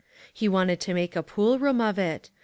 He wanted to make a pool room of it.